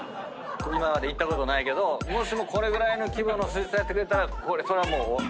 今まで行ったことないけどもしもこれぐらいの規模の水槽やってくれたらそれはもう。